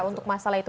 untuk masalah itu